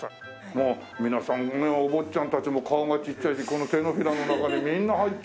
もう皆さんおぼっちゃんたちも顔がちっちゃいしこの手のひらの中にみんな入っちゃう。